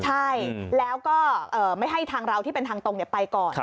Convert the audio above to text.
ใช่แล้วก็ไม่ให้ทางเราที่เป็นทางตรงไปก่อน